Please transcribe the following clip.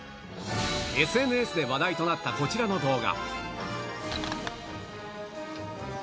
ＳＮＳで話題となったこちらの動画。